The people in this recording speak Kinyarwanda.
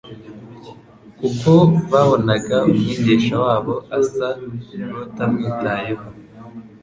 Kuko babonaga Umwigisha wabo asa nutamwitayeho,